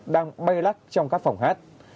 đang bay lắc trong các phòng hát